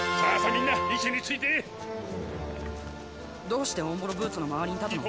みんな位置についてどうしておんぼろブーツのまわりに立つの？